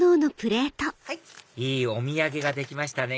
いいお土産ができましたね